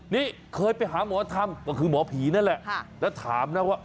นี่เคยไปหาหมอธรรมก็คือหมอผีนั่นแหละแล้วถามนะว่า